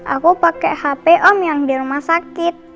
aku pakai hp om yang di rumah sakit